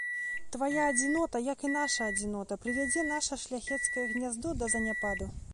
Твая адзінота, як і наша адзінота, прывядзе наша шляхецкае гняздо да заняпаду.